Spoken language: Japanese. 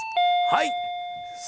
はい。